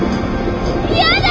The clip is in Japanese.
嫌だ！